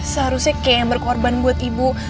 seharusnya kayak yang berkorban buat ibu